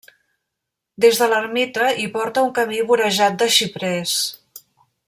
Des de l'ermita hi porta un camí vorejat de xiprers.